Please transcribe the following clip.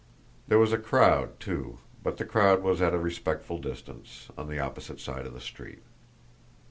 There was a crowd, too, but the crowd was at a respectful distance on the opposite side of the street.